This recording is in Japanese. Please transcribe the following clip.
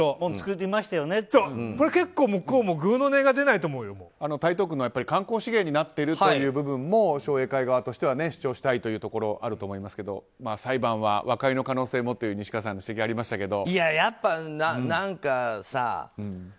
結構、向こうも台東区の観光資源になっているという部分も商栄会側としては主張したいところあると思いますが裁判は和解の可能性もという西川さんの指摘がありましたけど。